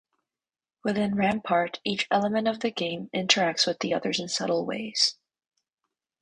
Within "Rampart" each element of the game interacts with the others in subtle ways.